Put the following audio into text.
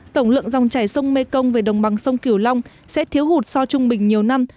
tổng lượng dòng chảy sông mê công về đồng bằng sông kiểu long sẽ thiếu hụt so trung bình nhiều năm